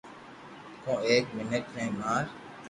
ڪو ايڪ مينک ني مار